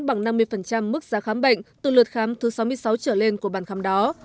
bằng năm mươi mức giá khám bệnh từ lượt khám thứ sáu mươi sáu trở lên của bàn khám đó